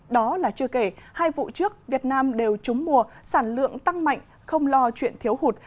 đó là chưa kể hai vụ trước việt nam đều trúng mùa sản lượng tăng mạnh không lo chuyện thiếu hụt